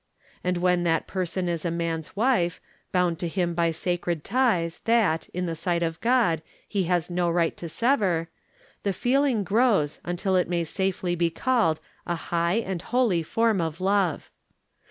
And when that person is a man's wife, bound to him by sacred ties that, in the sight of God, he has no right to sever, the feeling grows until it may safely be called a liigh and holy form of love.